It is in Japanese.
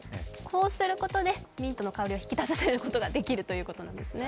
こうすることで、ミントの香りを引き立たせることができるということなんですね。